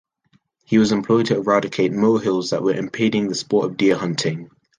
He was employed to eradicate molehills that were impeding the sport of deer hunting.